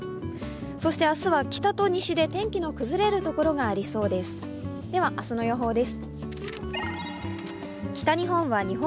そして明日は北と西で天気の崩れる所がありそうです。